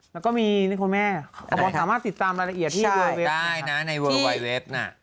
แล้วก็มีนี่คุณแม่คุณพ่อสามารถติดตามรายละเอียดที่เวอร์เว็บได้นะในเวอร์เวอร์เว็บน่ะ